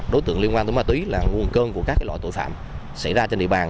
đối tượng liên quan tới ma túy là nguồn cơn của các loại tội phạm xảy ra trên địa bàn